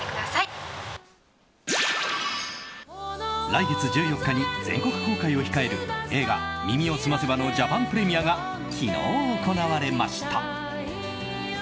来月１４日に全国公開を控える映画「耳をすませば」のジャパンプレミアが昨日行われました。